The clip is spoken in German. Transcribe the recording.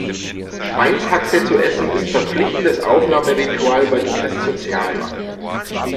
Schweinshaxe zu essen, ist verpflichtendes Aufnahmeritual bei den Christsozialen.